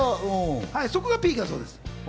そこがピークだそうです。